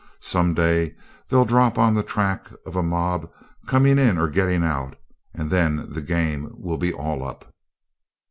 Some day they'll drop on the track of a mob coming in or getting out, and then the game will be all up.'